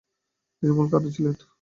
তিনি মূল কারণ ছিলেন।